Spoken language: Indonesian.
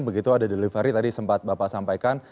begitu ada delivery tadi sempat bapak sampaikan